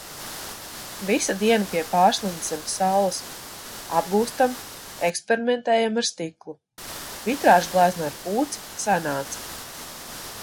Visa diena pie Pārsliņas zem saules. Apgūstam, eksperimentējam ar stiklu. Vitrāžglezna ar pūci sanāca.